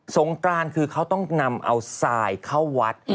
งกรานคือเขาต้องนำเอาทรายเข้าวัด